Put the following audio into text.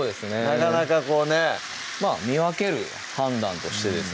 なかなかこうね見分ける判断としてですね